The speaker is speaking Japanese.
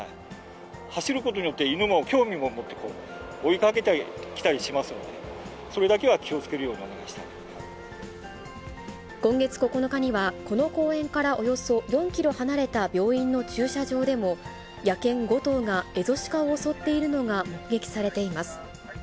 走ることによって、犬も興味を持って追いかけてきたりしますので、それだけは気をつ今月９日には、この公園からおよそ４キロ離れた病院の駐車場でも、野犬５頭がエゾシカを襲っているのが目撃されています。